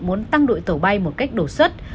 muốn tăng đội tàu bay một cách đổ xuất